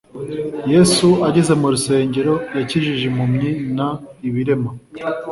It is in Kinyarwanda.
Yesu ageze mu rusengero yakijije impumyi n ibirema